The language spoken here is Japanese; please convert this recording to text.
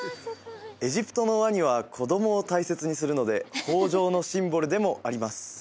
エジプトのワニは子供を大切にするので豊穣のシンボルでもあります